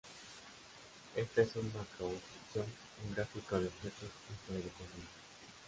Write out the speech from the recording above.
Esta es un macro-construcción, un gráfico de objetos interdependientes.